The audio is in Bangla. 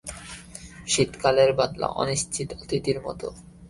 শীতকালের বাদলা, অনিচ্ছিত অতিথির মতো।